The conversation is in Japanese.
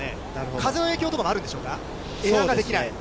風の影響とかもあるんでしょうか。